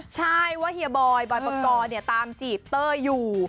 ใช่ว่าเฮียบอยบอยปกรณ์ตามจีบเต้ยอยู่